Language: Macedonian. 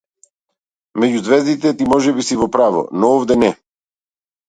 Меѓу ѕвездите ти можеби си во право, но овде не.